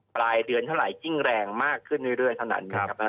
ปลายเดือนเท่าไหร่ยิ่งแรงมากขึ้นเรื่อยเท่านั้นนะครับ